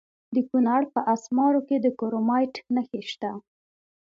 د کونړ په اسمار کې د کرومایټ نښې شته.